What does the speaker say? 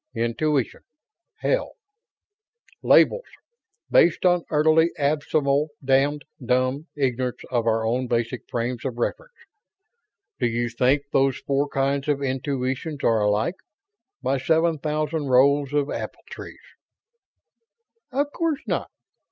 Intuition, hell! Labels based on utterly abysmal damned dumb ignorance of our own basic frames of reference. Do you think those four kinds of intuition are alike, by seven thousand rows of apple trees?" "Of course not.